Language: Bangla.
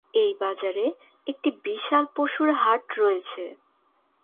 এই বাজারে একটি বিশাল পশুর হাট রয়েছে।